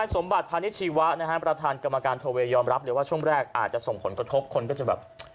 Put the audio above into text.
สมบัติพาณิชชีวะนะฮะประธานกรรมการโทเวย์ยอมรับเลยว่าช่วงแรกอาจจะส่งผลกระทบคนก็จะแบบ